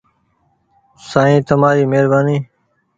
سائين تمآري مهربآني ۔